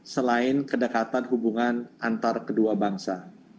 selain kedekatan hubungan antar kedua bangsa